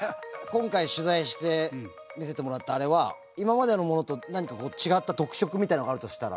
今回取材して見せてもらったあれは今までのものと何かこう違った特色みたいなのがあるとしたら？